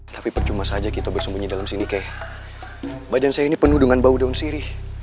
tapi percuma saja kita bersembunyi dalam sini kayak badan saya ini penuh dengan bau daun sirih